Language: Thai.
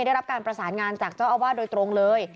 ได้รับการประสานงานจากเจ้าอาวาสโดยตรงเลย